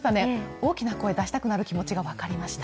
大きな声を出したくなる気持ちが分かりましした。